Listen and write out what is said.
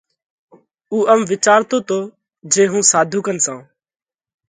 اُو ام وِيچارتو تو جي هُون ساڌُو ڪنَ زائه